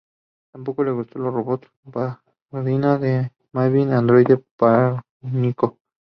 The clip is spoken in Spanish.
Tampoco le gustó los robots "parodia de Marvin el Androide Paranoico".